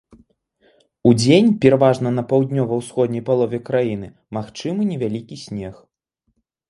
Удзень пераважна на паўднёва-ўсходняй палове краіны магчымы невялікі снег.